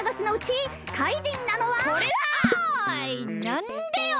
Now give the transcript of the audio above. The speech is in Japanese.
なんでよ！？